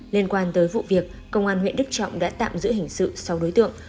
liên quan tới vụ việc công an huyện đức trọng đã tạm giữ hình sự sáu đối tượng